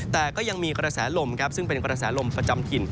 แต่ก็ยังมีกระแสลมซึ่งเป็นกระแสลมประจำถิ่น